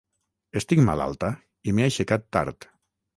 Estic malalta i m'he aixecat tard.